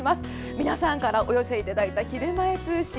皆さんからお寄せいただいた「ひるまえ通信」。